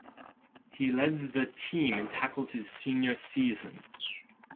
He led the team in tackles his senior season.